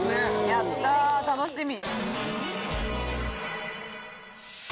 やった楽しみ！